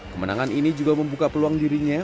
kemenangan ini juga membuka peluang dirinya